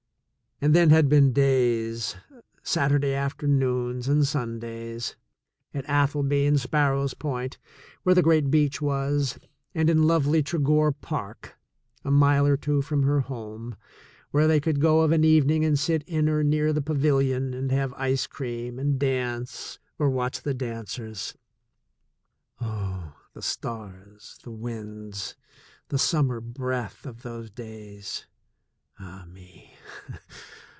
And then had been days, Saturday afternoons and Sundays, at Atholby and Sparrows Point, where the great beach was, and in lovely Tregore Park, a mile or two from her home, where they could go of an evening and sit in or near the pavilion and have ice cream and dance or watch the dancers. Oh, the stars, the winds, the summer breath of those days ! Ah, me